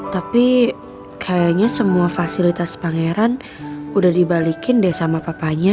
tapi kayaknya semua fasilitas pangeran udah dibalikin deh sama papanya